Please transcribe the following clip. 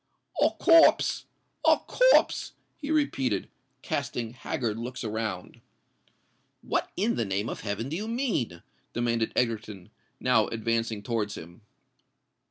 "A corpse! a corpse!" he repeated, casting haggard looks around. "What in the name of heaven do you mean?" demanded Egerton, now advancing towards him.